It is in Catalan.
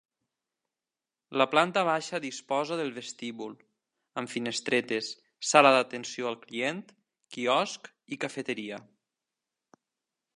La planta baixa disposa del vestíbul amb finestretes, sala d'atenció al client, quiosc i cafeteria.